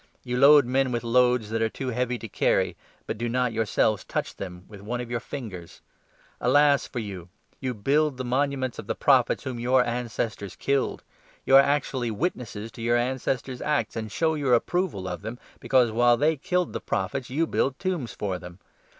You load men with loads that are too heavy to carry, but do not, your selves, touch them with one of your fingers. Alas for you ! 47 You build the monuments of the Prophets whom your ancestors killed. You are actually witnesses to your ancestors' 48 acts and show your approval of them, because, while they killed the Prophets, you build tombs for them.